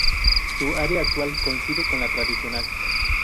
Su área actual coincide con la tradicional.